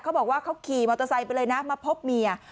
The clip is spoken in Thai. เขาบอกว่าเขาขี่มอเตอร์ไซค์ไปเลยนะมาพบเมีย